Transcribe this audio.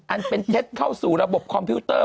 อันเป็นเท็จเข้าสู่ระบบคอมพิวเตอร์